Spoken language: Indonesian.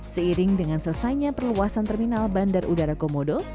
seiring dengan selesainya perluasan terminal bandar udara komodo